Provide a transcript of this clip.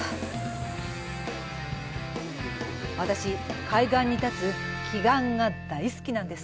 私、海岸に立つ奇岩が大好きなんです。